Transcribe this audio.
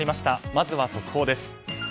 まずは速報です。